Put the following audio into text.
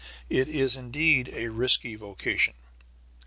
It is indeed a risky vocation.